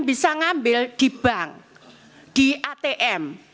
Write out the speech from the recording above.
bisa ngambil di bank di atm